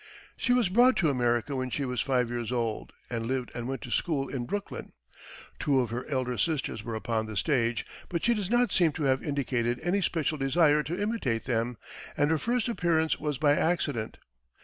She was brought to America when she was five years old, and lived and went to school in Brooklyn. Two of her elder sisters were upon the stage, but she does not seem to have indicated any especial desire to imitate them, and her first appearance was by accident.